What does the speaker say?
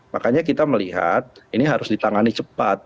makanya kita melihat ini harus ditangani cepat